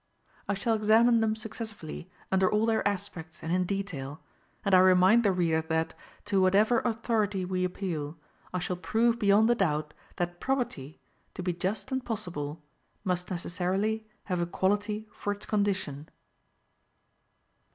I shall examine them successively, under all their aspects and in detail; and I remind the reader that, to whatever authority we appeal, I shall prove beyond a doubt that property, to be just and possible, must necessarily have equality for its condition.